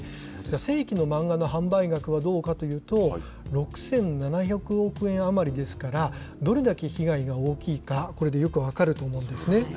正規の漫画の販売額はどうかというと、６７００億円余りですから、どれだけ被害が大きいか、これでよく分かると思うんですね。